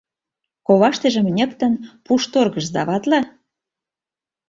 Коваштыжым ньыктын, пушторгыш сдаватле.